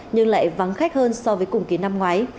nhưng lại vắng khách hơn so với cùng kỳ năm ngoái